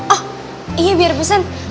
oh iya biar pesen